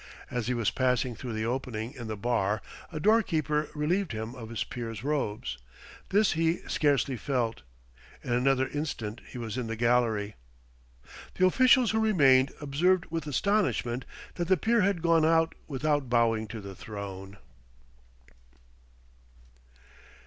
As he was passing through the opening in the bar, a doorkeeper relieved him of his peer's robes. This he scarcely felt. In another instant he was in the gallery. The officials who remained observed with astonishment that the peer had gone out without bowing to the throne!